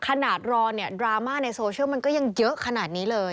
ขนาดรอเนี่ยดราม่าในโซเชียลมันก็ยังเยอะขนาดนี้เลย